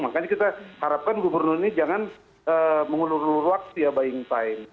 makanya kita harapkan gubernur ini jangan mengulur ulur waktu ya buying time